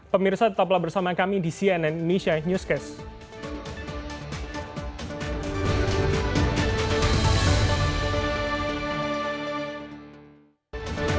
pemirsa tetaplah bersama kami di cnn indonesia newscast